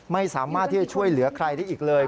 ไม่สามารถที่จะช่วยเหลือใครได้อีกเลย